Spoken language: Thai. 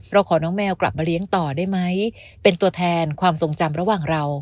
ขอน้องแมวกลับมาเลี้ยงต่อได้ไหมเป็นตัวแทนความทรงจำระหว่างเรา